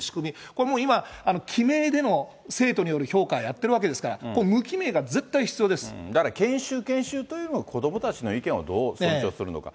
これもう今、記名での生徒による評価をやってるわけですから、無記名が絶対に必要でだから研修、研修というよりも子どもたちの意見をどう尊重するのか。